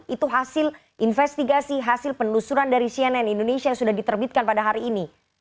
itu hasil investigasi hasil penelusuran dari cnn indonesia yang sudah diterbitkan pada hari ini